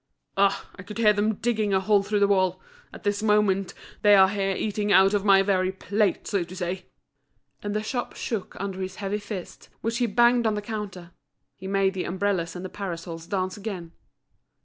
"Ah! I could hear them digging a hole through the wall. At this moment, they are here eating out of my very plate, so to say!" And the shop shook under his heavy fist which he banged on the counter; he made the umbrellas and the parasols dance again.